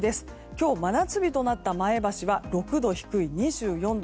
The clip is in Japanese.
今日、真夏日となった前橋は６度低い２４度。